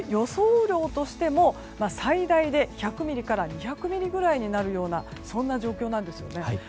雨量としても最大で１００ミリから２００ミリぐらいになるようなそんな状況なんですよね。